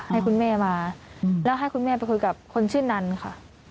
ให้คุณแม่มาแล้วให้คุณแม่ไปคุยกับคนชื่อนันค่ะ